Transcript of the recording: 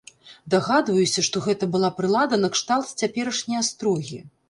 Дагадваюся, што гэта была прылада накшталт цяперашняй астрогі.